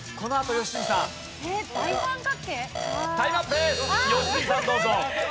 吉住さんどうぞ。